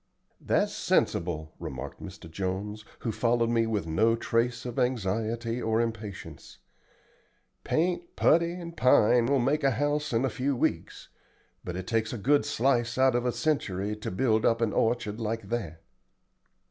"That's sensible," remarked Mr. Jones, who followed me with no trace of anxiety or impatience. "Paint, putty, and pine will make a house in a few weeks, but it takes a good slice out of a century to build up an orchard like that."